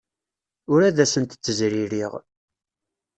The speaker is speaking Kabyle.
Ur ad asent-ttezririɣ.